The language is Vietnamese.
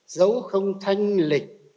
giấu không thanh lịch